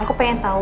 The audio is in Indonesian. aku pengen tau